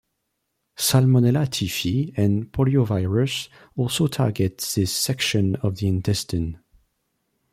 "Salmonella typhi" and poliovirus also target this section of the intestine.